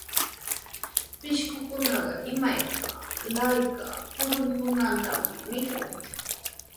Pishqukunaqa imayka laaya kurukunatami mikun.